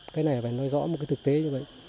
cái này phải nói rõ một cái thực tế như vậy